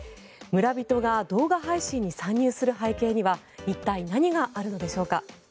村人が動画配信に参入する背景には一体、何があるのでしょうか。